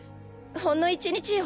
ほんの１日よ。